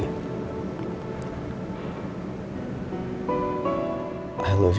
aku cintamu dengan hati hati